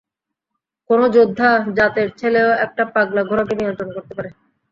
কোনো যোদ্ধা জাতের ছেলেও একটা পাগলা ঘোড়াকে নিয়ন্ত্রণ করতে পারে।